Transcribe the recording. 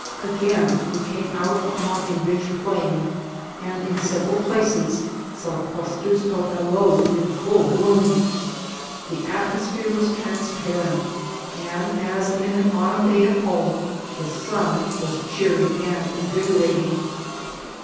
Again we came out upon a rich plain, and in several places saw clusters of aloes in full bloom. The atmosphere was transparent, and, as in an autumn day at home, the sun was cheering and invig orating.